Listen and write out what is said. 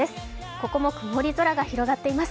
ここも曇り空が広がっています。